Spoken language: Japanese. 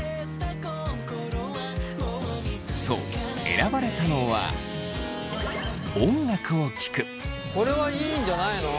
そう選ばれたのはこれはいいんじゃないの？